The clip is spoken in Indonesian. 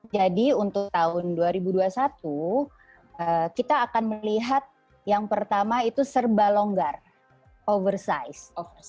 jadi untuk tahun dua ribu dua puluh satu kita akan melihat yang pertama itu serba longgar oversize